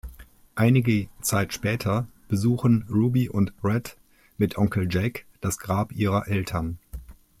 Einige Zeit später besuchen Ruby und Rhett mit Onkel Jack das Grab ihrer Eltern.